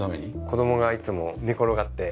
子供がいつも寝転がって。